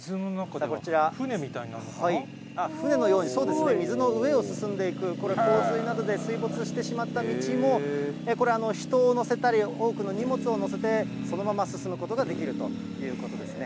船のように、そうですね、水の上を進んでいく、これ、洪水などで水没してしまった道も、これ、人を乗せたり、多くの荷物を載せて、そのまま進むことができるということですね。